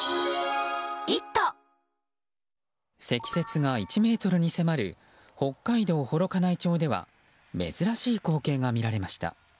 積雪が１ｍに迫る北海道幌加内町では珍しい光景が見られました。